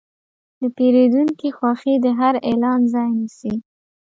د پیرودونکي خوښي د هر اعلان ځای نیسي.